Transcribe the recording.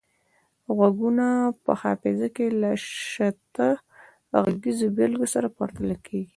غږونه په حافظه کې له شته غږیزو بیلګو سره پرتله کیږي